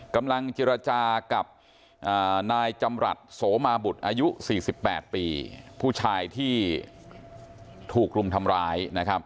กำลังเจรจากับนายจำรัฐโสมาบุตรอายุ๔๘ปีผู้ชายที่ถูกรุมทำร้ายนะครับ